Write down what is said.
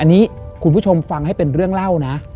อันนี้คุณผู้ชมฟังให้เป็นเรื่องเล่านะ